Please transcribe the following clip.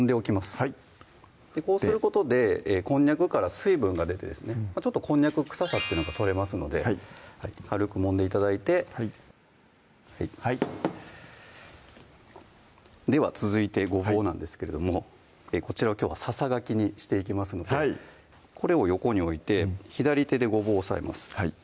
はいこうすることでこんにゃくから水分が出てですねちょっとこんにゃく臭さというのが取れますので軽くもんで頂いてはいでは続いてごぼうなんですけれどもこちらをきょうはささがきにしていきますのでこれを横に置いて左手でごぼうを押さえます